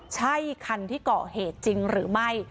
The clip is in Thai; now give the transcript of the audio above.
ใช่คันที่เกาะเหตุจริงหรือไม่